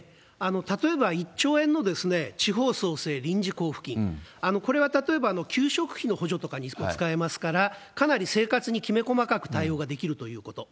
例えば１兆円の地方創生臨時交付金、これは例えば給食費の補助とかに使えますから、かなり生活にきめ細かく対応ができるということ。